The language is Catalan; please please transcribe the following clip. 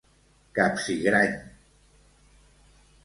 Capsigrany